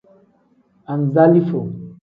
Anzalifo.